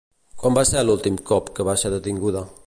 Quan va ser l'últim cop que va ser detinguda?